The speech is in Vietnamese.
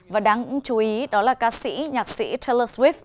và đáng chú ý đó là ca sĩ nhạc sĩ taylor swift